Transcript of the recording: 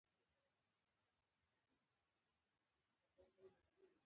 په پردو به جرګې نه کوو.